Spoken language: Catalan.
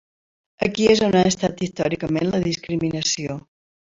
Aquí és on ha estat, històricament, la discriminació.